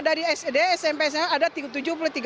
dari sd smp sma ada tujuh puluh tiga